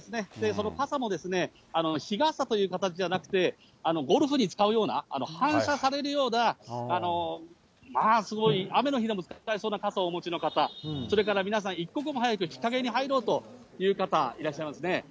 その傘も、日傘という形じゃなくて、ゴルフに使うような、反射されるような、まあすごい、雨の日でも使えそうな傘をお持ちの方、それから皆さん、一刻も早く日陰に入ろうという方、いらっしゃいますね。